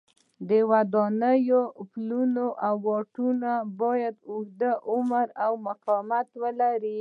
ودانۍ، پلونه او واټونه باید اوږد عمر او مقاومت ولري.